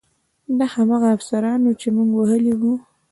دا هماغه افسران وو چې موږ وهلي وو